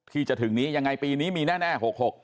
ที่จะถึงนี้ยังไงปีนี้มีแน่๖๖